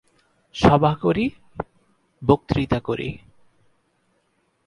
সভা করি বক্তৃতা করি।